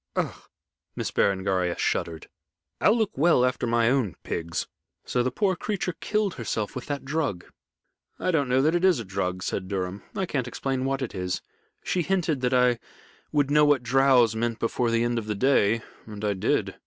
"Ugh!" Miss Berengaria shuddered. "I'll look well after my own pigs. So the poor creature killed herself with that drug?" "I don't know that it is a drug," said Durham. "I can't explain what it is. She hinted that I would know what drows meant before the end of the day, and I did.